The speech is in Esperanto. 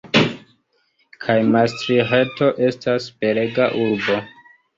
Kaj Mastriĥto estas belega urbo.